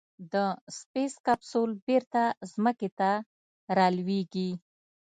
د سپېس کیپسول بېرته ځمکې ته رالوېږي.